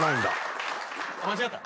間違えた？